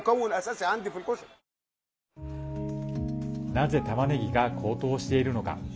なぜ、たまねぎが高騰しているのか。